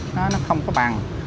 nó không có bằng